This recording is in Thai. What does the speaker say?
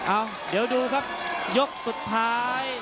เอ้าเดี๋ยวดูครับยกสุดท้าย